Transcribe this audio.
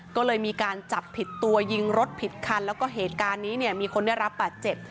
ก็เลยมีการจับผิดตัวยิงรถผิดคันแล้วก็เหตุการณ์นี้เนี่ยมีคนได้รับบาดเจ็บ